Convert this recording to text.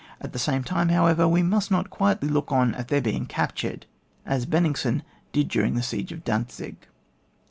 At the same time, however, we must not quietly look on at their being captured, as Benningsen did during the siege of Dantzig.